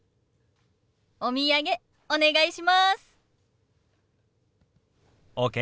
お土産お願いします。ＯＫ。